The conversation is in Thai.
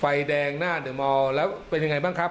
ไฟแดงหน้าเดี๋ยวมองแล้วเป็นยังไงบ้างครับ